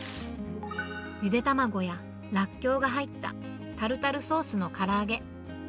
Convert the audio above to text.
ゆで卵やラッキョウが入ったタルタルソースのから揚げ。